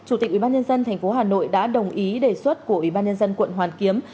ubnd tp hà nội đã đồng ý đề xuất của ubnd quận hoàn kiếm